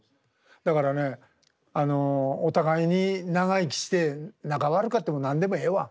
だからねあのお互いに長生きして仲悪かっても何でもええわ。